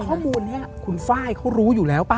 ข้อมูลคุณฟ้ายเค้ารู้อยู่แล้วปะ